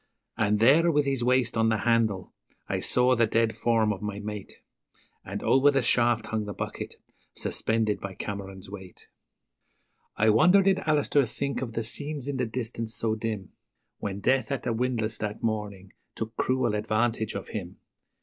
And there, with his waist on the handle, I saw the dead form of my mate, And over the shaft hung the bucket, suspended by Cameron's weight. I wonder did Alister think of the scenes in the distance so dim, When Death at the windlass that morning took cruel advantage of him?